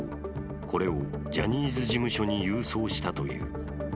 これをジャニーズ事務所に郵送したという。